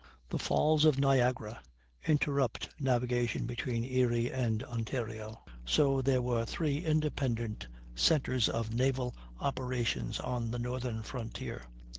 The Falls of Niagara interrupt navigation between Erie and Ontario; so there were three independent centres of naval operations on the northern frontier.